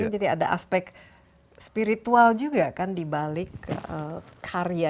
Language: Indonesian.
jadi ada aspek spiritual juga kan dibalik karya